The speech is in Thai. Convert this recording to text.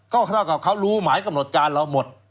ก็เท่ากับเขารู้หมายกำหนดการเราหมด